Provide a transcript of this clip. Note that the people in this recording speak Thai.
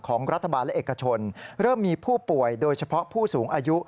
ของรัฐบาลและเอกชนเริ่มมีผู้ป่วยโดยเฉพาะผู้สูงอายุ